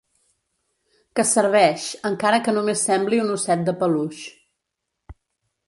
Que serveix, encara que només sembli un osset de peluix.